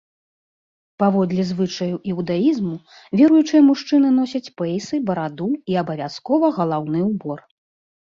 Паводле звычаяў іўдаізму, веруючыя мужчыны носяць пэйсы, бараду і абавязкова галаўны ўбор.